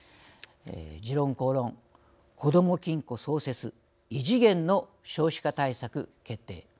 「時論公論」こども金庫創設異次元の少子化対策決定。